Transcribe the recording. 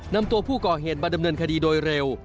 นำตัวผู้ก่อเหตุมาดำเนินคดีโดยเร็ว